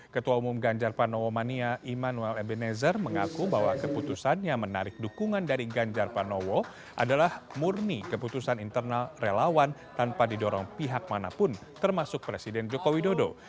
ketua umum ganjar panowo mania immanuel ebenezer mengaku bahwa keputusan yang menarik dukungan dari ganjar pranowo adalah murni keputusan internal relawan tanpa didorong pihak manapun termasuk presiden joko widodo